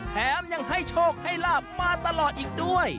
แถมยังให้โชคให้ลาบมาตลอดอีกด้วย